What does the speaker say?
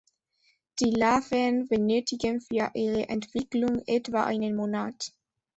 Die Larven benötigen für ihre Entwicklung etwa einen Monat.